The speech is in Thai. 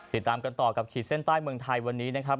ติดตามกันต่อกับขีดเส้นใต้เมืองไทยวันนี้นะครับ